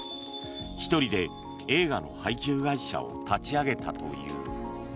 １人で映画の配給会社を立ち上げたという。